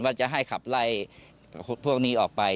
ว่าจะให้ขับไล่พวกนี้ออกไป